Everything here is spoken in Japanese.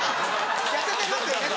痩せてますよね